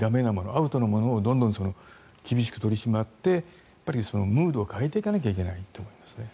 アウトなものをどんどん厳しく取り締まってムードを変えていかなきゃいけないと思いますね。